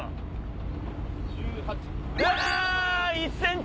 １ｃｍ！